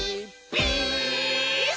ピース！」